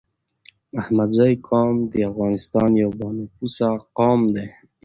احمدزی قوم دي افغانستان يو با نفوسه قوم دی